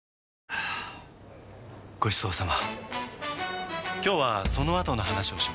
はぁごちそうさま！